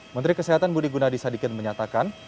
menteri kesehatan budi gunadisadikin menyatakan